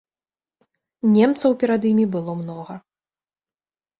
Немцаў перад імі было многа.